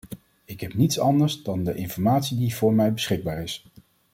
Ik heb niets anders dan de informatie die voor mij beschikbaar is.